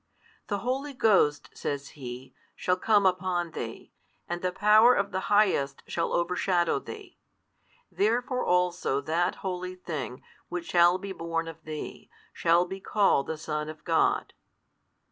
The Holy Ghost, says he, shall come upon thee, and the Power of the Highest shall overshadow thee; therefore also That Holy Thing which shall be born of thee, shall be called the Son of God.